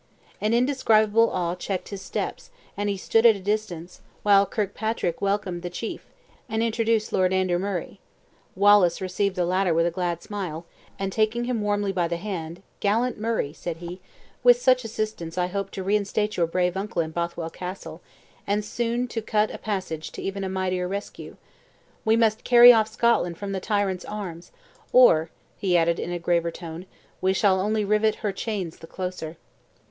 An indescribable awe checked his steps, and he stood at a distance, while Kirkpatrick welcomed the chief, and introduced Lord Andrew Murray. Wallace received the latter with a glad smile; and taking him warmly by the hand, "Gallant Murray," said he, "with such assistance, I hope to reinstate your brave uncle in Bothwell Castle, and soon to cut a passage to even a mightier rescue! We must carry off Scotland from the tyrant's arms; or," added he, in a graver tone, "we shall only rivet her chains the closer."